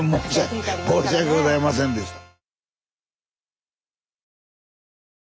申し訳ございませんでした。